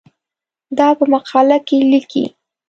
دا په مقاله کې لیکې.